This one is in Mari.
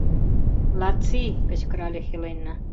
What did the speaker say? — Лаци! — кычкырале Хелена.